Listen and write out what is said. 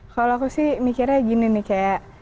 kalau aku sih mikirnya gini nih kayak